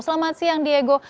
selamat siang diego